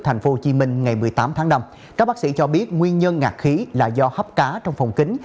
tp hcm ngày một mươi tám tháng năm các bác sĩ cho biết nguyên nhân ngạc khí là do hấp cá trong phòng kính